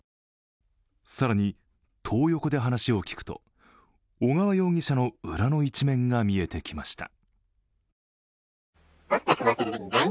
更に、トー横で話を聞くと、小川容疑者の裏の一面が見えてきました。